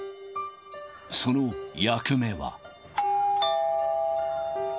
その役目は。